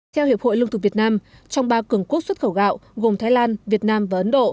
theo hiệp hội lương thực việt nam trong ba cường quốc xuất khẩu gạo gồm thái lan việt nam và ấn độ